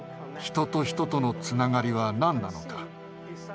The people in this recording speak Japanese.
人と人とのつながりは何なのか。